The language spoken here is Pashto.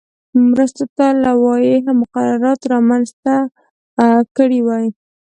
مرستو ته لوایح او مقررات رامنځته کړي وای.